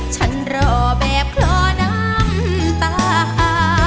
ฉันรอแบบคลอน้ำตา